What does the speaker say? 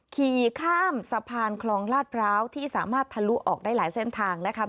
ขี่ข้ามสะพานคลองลาดพร้าวที่สามารถทะลุออกได้หลายเส้นทางนะคะ